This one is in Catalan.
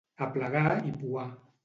Aplegar i pouar.